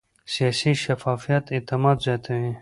سیاسي شفافیت اعتماد زیاتوي